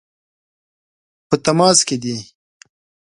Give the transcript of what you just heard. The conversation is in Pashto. په تماس کې دي.